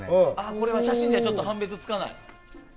これは写真じゃちょっと判別つかない？